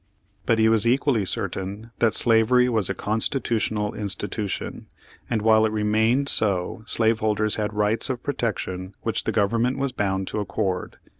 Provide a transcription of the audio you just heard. But he was equally certain that slavery was a Constitutional institu tion, and while it remained so slaveholders had rights of protection which the government was bound to accord.